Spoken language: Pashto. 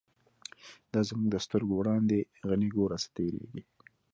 دا زمونږ د سترگو وړاندی «غنی» گوره څه تیریږی